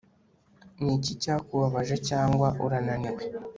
niki cyakubabaje cyangwa urananiwe!